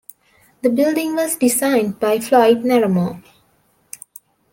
The building was designed by Floyd Naramore.